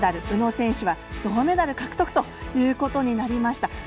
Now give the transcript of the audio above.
宇野選手は銅メダル獲得となりました。